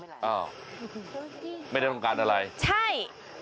อ้าวไม่ได้ต้องการอะไรใช่